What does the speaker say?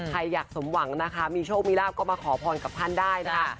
ใครอยากสมหวังนะคะมีโชคมีลาบก็มาขอพรกับท่านได้นะคะ